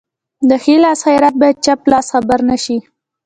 د ښي لاس خیرات باید چپ لاس خبر نشي.